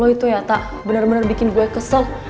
lo itu ya tak bener bener bikin gue kesel